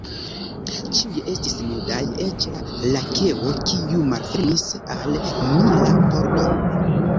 Ĉiuj estis nudaj, eĉ la lakeo, kiu malfermis al mi la pordon.